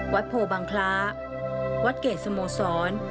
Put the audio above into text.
วัดโผบังคละวัดเกรษโมสร